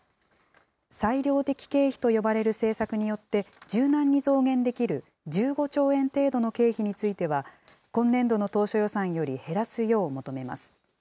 裁量的経費と呼ばれる政策によって、柔軟に増減できる、１５兆円程度の経費については、今年度の当初予算より減らすよう求めます。